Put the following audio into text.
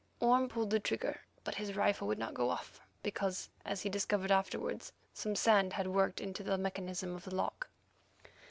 Orme pulled the trigger, but his rifle would not go off because, as he discovered afterwards, some sand had worked into the mechanism of the lock.